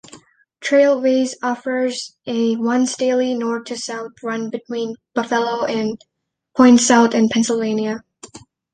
Trailways offers a once-daily north-to-south run between Buffalo and points south in Pennsylvania.